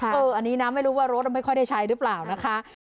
อันนี้นะไม่รู้ว่ารถไม่ค่อยได้ใช้หรือเปล่านะคะ